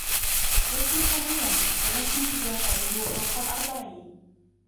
يبدو صغيراً ، ولكن في الواقع هو فوقَ الأربعين.